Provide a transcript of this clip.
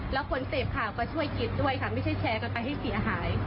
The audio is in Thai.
แล้วคนเสพข่าวก็ช่วยคิดด้วยค่ะไม่ใช่แชร์กันไปให้เสียหาย